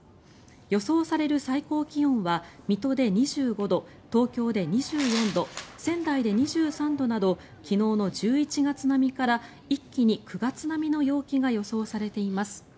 予想される最高気温は水戸で２５度、東京で２４度仙台で２３度など昨日の１１月並みから一気に９月並みの陽気が予想されています。